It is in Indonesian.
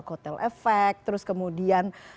kotel efek terus kemudian